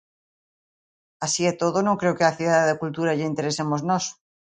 Así e todo, non creo que á Cidade da Cultura lle interesemos nós.